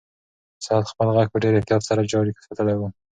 ساعت خپل غږ په ډېر احتیاط سره جاري ساتلی و.